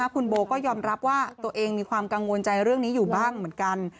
คุณโบก็ยอมรับว่าตัวเองมีความกังวลใจเรื่องนี้อยู่บ้างเหมือนกัน